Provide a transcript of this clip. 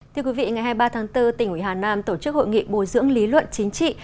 thưa quý vị ngày hai mươi ba tháng bốn tỉnh uỷ hà nam tổ chức hội nghị bồi dưỡng lý luận chính trị